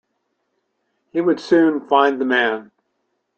He would soon find the man.